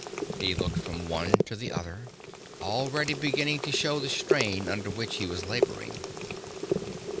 He looked from one to the other, already beginning to show the strain under which he was laboring.